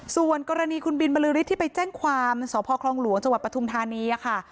ส่วนกรณีคุณบินบริษฐ์ที่ไปแจ้งความสพคลองหลวงจังหวัดปทุมธานีค่ะ